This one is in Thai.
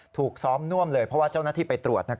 ถูกซ้อมน่วมเลยเพราะว่าเจ้าหน้าที่ไปตรวจ